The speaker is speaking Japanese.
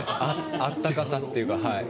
あったかさっていうか。